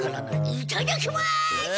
いただきます！